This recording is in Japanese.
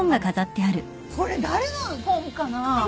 これ誰の本かな？